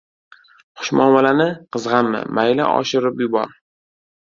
Hushmuomalani qizg‘anma, mayli oshirib yubor.